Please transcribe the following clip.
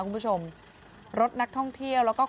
คุณผู้ชมรถนักท่องเที่ยวแล้วก็